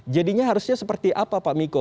jadinya harusnya seperti apa pak miko